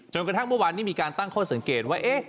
กระทั่งเมื่อวานนี้มีการตั้งข้อสังเกตว่า